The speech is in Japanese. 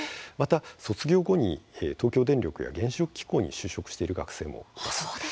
また卒業後に東京電力や原子力機構に就職している学生もいます。